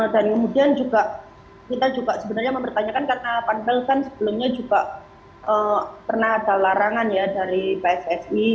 dan kemudian juga kita juga sebenarnya mempertanyakan karena panpel kan sebelumnya juga pernah ada larangan ya dari pssi